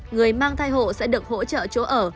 người mang thai hộ sẽ được hỗ trợ chỗ ở